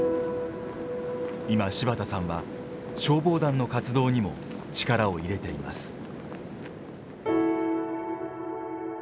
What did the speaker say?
今柴田さんは消防団の活動にも力を入れています。